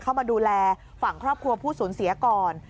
เข้ามาดูแลฝั่งครอบครัวผู้สูญเสียก่อน